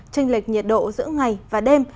tranh lệch nhiệt độ giữa ngày và đêm